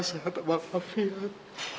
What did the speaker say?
sehat mbak fiat